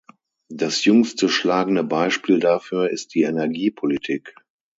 Das jüngste schlagende Beispiel dafür ist die Energiepolitik.